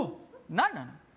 何なの？